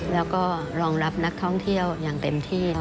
แล้วก็รองรับนักท่องเที่ยวอย่างเต็มที่